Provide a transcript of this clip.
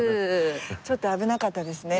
ちょっと危なかったですね。